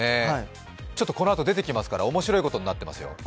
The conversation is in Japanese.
このあと出てきますから、面白いことになってますよ。